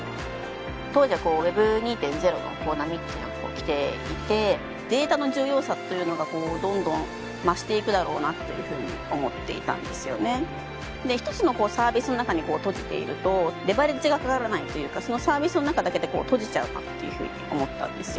当時はＷｅｂ２．０の波っていうのが来ていてデータの重要さというのがどんどん増していくだろうなというふうに思っていたんですよねで１つのサービスの中に閉じているとレバレッジがかからないというかそのサービスの中だけで閉じちゃうなっていうふうに思ったんですよ